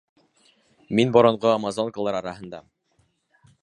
Мин боронғо амазонкалар араһында!